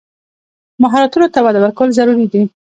مهارتونو ته وده ورکول ضروري دي.